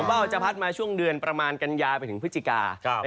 ว่าจะพัดมาช่วงเดือนประมาณกันยาไปถึงพฤศจิกา